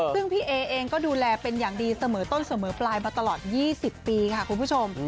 ซึ่งพี่เอเองก็ดูแลเป็นอย่างดีเสมอต้นเสมอปลายมาตลอด๒๐ปีค่ะคุณผู้ชม